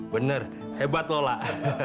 bener hebat lho lah